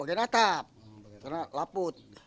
bagian atap karena laput